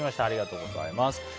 ありがとうございます。